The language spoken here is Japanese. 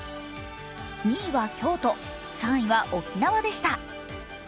２位は京都、３位は沖縄でした。